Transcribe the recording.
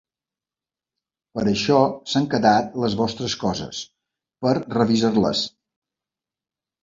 Per això s'han quedat les vostres coses, per revisar-les.